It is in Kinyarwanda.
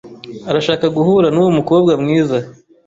Arashaka guhura nuwo mukobwa mwiza.